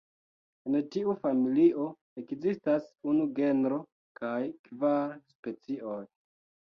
En tiu familio ekzistas unu genro kaj kvar specioj.